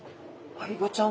アイゴちゃん。